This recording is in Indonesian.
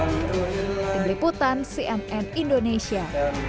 meliputan cnn indonesia